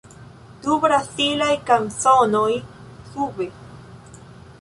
Du brazilaj kanzonoj, sube.